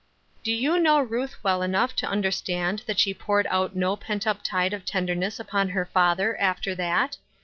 Do you know Ruth well enough to under stand that she poured out no pent up tide of tenderness upon her father, after that